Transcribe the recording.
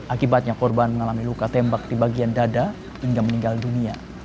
akibatnya korban mengalami luka tembak di bagian dada hingga meninggal dunia